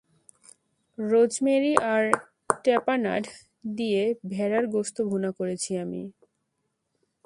Rosemary আর tapenade দিয়ে ভেড়ার গোস্ত ভূনা করেছি আমি।